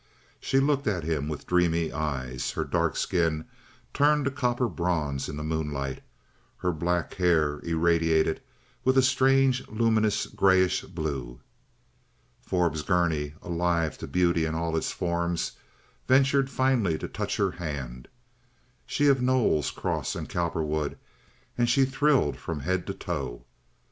She looked at him with dreamy eyes, her dark skin turned a copper bronze in the moonlight, her black hair irradiated with a strange, luminous grayish blue. Forbes Gurney, alive to beauty in all its forms, ventured finally to touch her hand—she of Knowles, Cross, and Cowperwood—and she thrilled from head to toe.